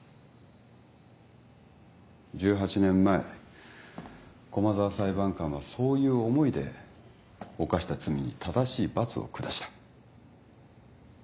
１８年前駒沢裁判官はそういう思いで犯した罪に正しい罰を下した。